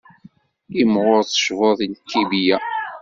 Imɣur tecbuḍ lkibiya.